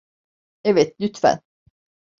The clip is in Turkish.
Evet, lütfen.